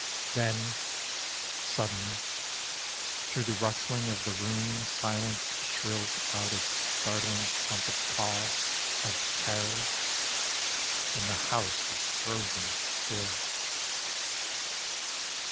Then, sudden, through the rustling of the room Silence shrills out its startling trumpet call Of terror, and the house is frozen still.